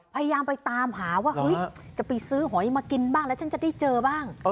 พยายามไปตามหาว่าเฮ้ยจะไปซื้อหอยมากินบ้างแล้วฉันจะได้เจอบ้าง